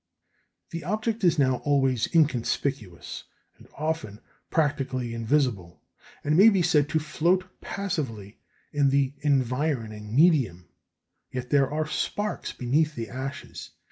" The object is now always inconspicuous, and often practically invisible, and may be said to float passively in the environing medium. Yet there are sparks beneath the ashes.